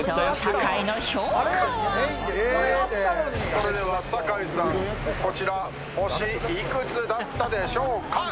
それでは酒井さん、星いくつだったでしょうか。